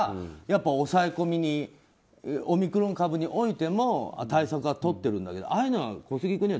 抑え込みにオミクロン株においても対策はとってるんだけどああいうのは小杉君には